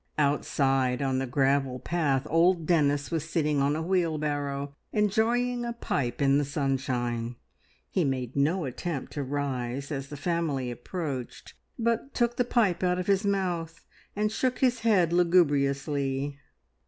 Outside on the gravel path old Dennis was sitting on a wheelbarrow enjoying a pipe in the sunshine. He made no attempt to rise as "the family" approached, but took the pipe out of his mouth and shook his head lugubriously.